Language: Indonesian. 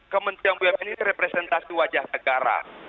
kementerian bumn ini representasi wajah negara